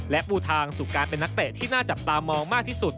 และปูทางสู่การเป็นนักเตะที่น่าจับตามองมากที่สุด